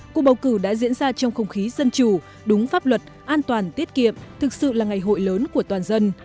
cuộc bầu cử đã diễn ra trong không khí dân chủ đúng pháp luật an toàn tiết kiệm thực sự là ngày hội lớn của toàn dân